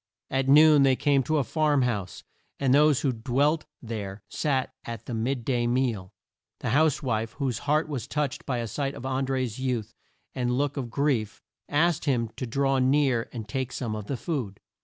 At noon they came to a farm house, and those who dwelt there sat at the mid day meal. The house wife, whose heart was touched by a sight of An dré's youth and look of grief, asked him to draw near and take some of the food.